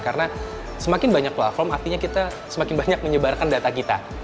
karena semakin banyak platform artinya kita semakin banyak menyebarkan data kita